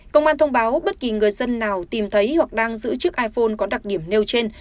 công an thông báo bất kỳ người dân nào tìm thấy hoặc đang giữ chiếc iphone có đặc điểm nêu trên